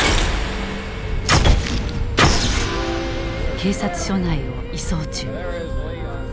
警察署内を移送中。